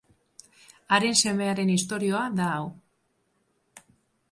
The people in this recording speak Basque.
Haren semearen istorioa da hau.